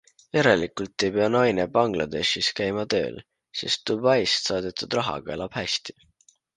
Järelikult ei pea naine Bangladeshis käima tööl, sest Dubaist saadetud rahaga elab hästi.